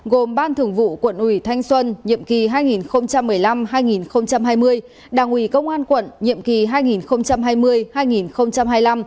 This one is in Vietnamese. gồm ban thường vụ quận ủy thanh xuân nhiệm kỳ hai nghìn một mươi năm hai nghìn hai mươi đảng ủy công an quận nhiệm kỳ hai nghìn hai mươi hai nghìn hai mươi năm